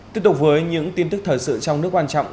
tiếp tục với những tin tức thời sự trong nước quan trọng